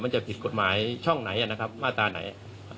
จะผิดกฎหมายช่องไหนนะครับมาตราไหน